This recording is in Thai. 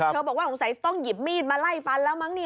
เธอบอกว่าหงษ์ใส้ต้องหยิบมีดมาไล่ฟันแล้วมั้ง